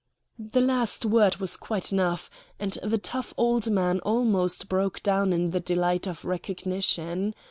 The last word was quite enough, and the tough old man almost broke down in the delight of recognition.